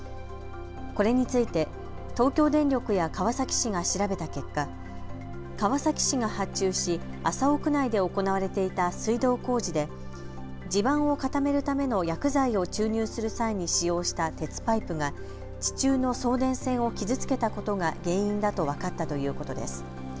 これについて東京電力や川崎市が調べた結果、川崎市が発注し麻生区内で行われていた水道工事で地盤を固めるための薬剤を注入する際に使用した鉄パイプが地中の送電線を傷つけたことが原因だと分かったということです。